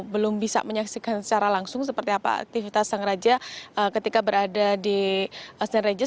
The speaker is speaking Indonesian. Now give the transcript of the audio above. belum bisa menyaksikan secara langsung seperti apa aktivitas raja ketika berada di senreji